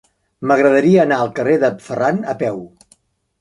M'agradaria anar al carrer de Ferran a peu.